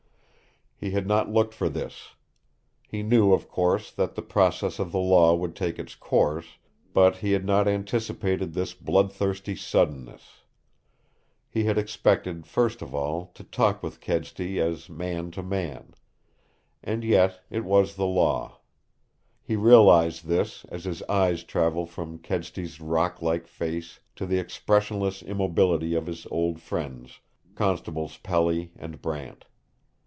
He had not looked for this. He knew, of course, that the process of the Law would take its course, but he had not anticipated this bloodthirsty suddenness. He had expected, first of all, to talk with Kedsty as man to man. And yet it was the Law. He realized this as his eyes traveled from Kedsty's rock like face to the expressionless immobility of his old friends, Constables Pelly and Brant.